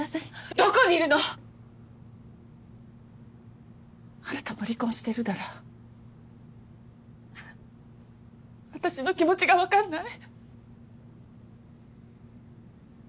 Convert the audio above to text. どこにいるの⁉あなたも離婚してるなら私の気持ちが分かんない？